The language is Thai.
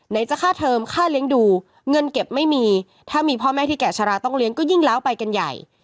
จะค่าเทอมค่าเลี้ยงดูเงินเก็บไม่มีถ้ามีพ่อแม่ที่แก่ชะลาต้องเลี้ยงก็ยิ่งล้าวไปกันใหญ่